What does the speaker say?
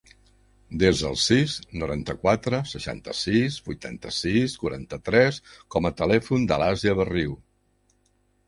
Desa el sis, noranta-quatre, seixanta-sis, vuitanta-sis, quaranta-tres com a telèfon de l'Àsia Berrio.